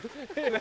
何？